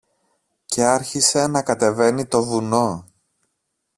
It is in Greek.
Και άρχισε να κατεβαίνει το βουνό.